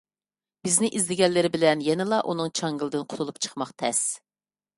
بىزنى ئىزدىگەنلىرى بىلەن يەنىلا ئۇنىڭ چاڭگىلىدىن قۇتۇلۇپ چىقماق تەس.